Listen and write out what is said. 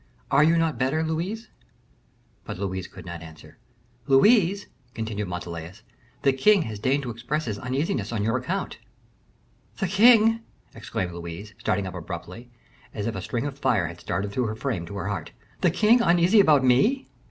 Are you not better, Louise?" But Louise did not answer. "Louise," continued Montalais, "the king has deigned to express his uneasiness on your account." "The king!" exclaimed Louise, starting up abruptly, as if a stream of fire had started through her frame to her heart; "the king uneasy about me?"